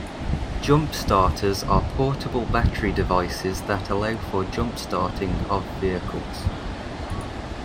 Jump starters are portable battery devices that allow for jump starting of vehicles.